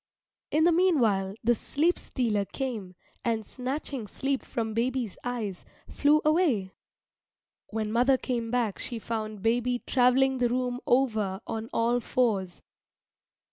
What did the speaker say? In the meanwhile the Sleep stealer came and, snatching sleep from baby's eyes, flew away. When mother came back she found baby travelling the room over on all fours.